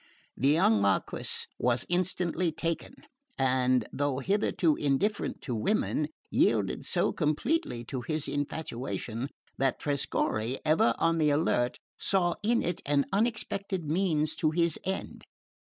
The young Marquess was instantly taken; and though hitherto indifferent to women, yielded so completely to his infatuation that Trescorre, ever on the alert, saw in it an unexpected means to his end.